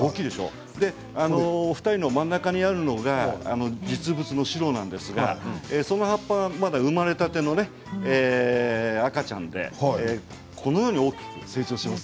お二人の真ん中にあるのが実物のシュロなんですがその葉っぱ、まだ生まれたての赤ちゃんでこのように大きく成長します。